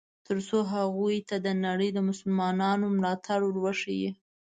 ترڅو هغوی ته د نړۍ د مسلمانانو ملاتړ ور وښیي.